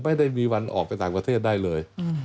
ไม่ได้มีวันออกไปต่างประเทศได้เลย